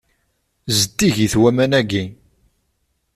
Zeddigit waman-agi.